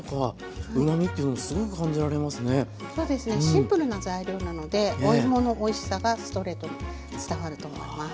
シンプルな材料なのでおいものおいしさがストレートに伝わると思います。